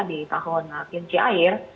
di tahun kianci air